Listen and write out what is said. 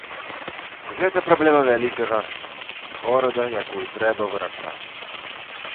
Гэта праблема вялікага горада, якую трэба вырашаць.